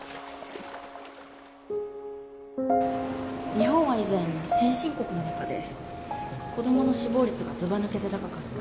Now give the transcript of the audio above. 日本は以前先進国の中で子供の死亡率がずばぬけて高かった。